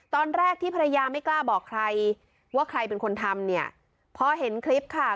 ตอนแรกที่ภรรยาไม่กล้าบอกใครว่าใครเป็นคนทำเนี่ยพอเห็นคลิปค่ะ